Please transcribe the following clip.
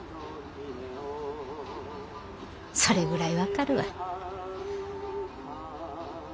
それぐらい分かるわ。